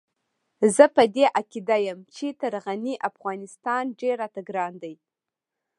زه په دې عقيده يم چې تر غني افغانستان ډېر راته ګران دی.